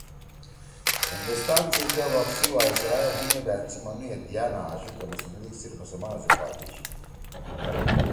ہندوستان سی تے وَخ سی وائسرائے ہُم مے بأت سی منُوئے تِیا نہ آشُو کہ مسلم لیگ صرف مسلمانا سی پارٹی چھی